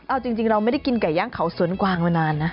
เอาจริงเราไม่ได้กินไก่ย่างเขาสวนกวางมานานนะ